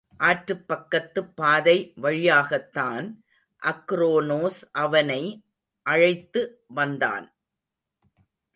ஆற்றுப் பக்கத்துப்பாதை வழியாகத்தான் அக்ரோனோஸ் அவனை அழைத்து வந்தான்.